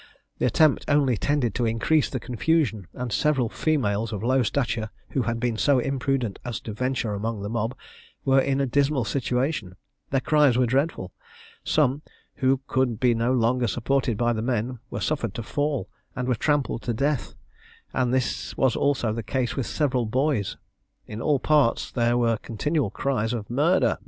The attempt only tended to increase the confusion, and several females of low stature, who had been so imprudent as to venture among the mob, were in a dismal situation: their cries were dreadful. Some, who could be no longer supported by the men, were suffered to fall, and were trampled to death, and this was also the case with several boys. In all parts there were continual cries of "Murder!